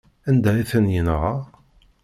Anda ay ten-yenɣa?